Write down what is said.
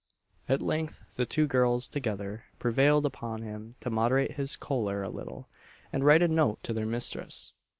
At length the two girls together prevailed upon him to moderate his choler a little, and write a note to their mistress.